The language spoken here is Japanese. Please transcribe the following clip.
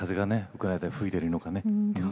ウクライナでは吹いてるのかね。